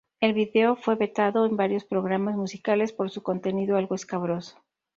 El vídeo fue vetado en varios programas musicales por su contenido algo escabroso.